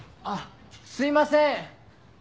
あっすいません！